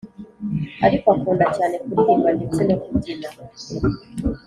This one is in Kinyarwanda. ariko akunda cyane kuririmba ndetse no kubyina,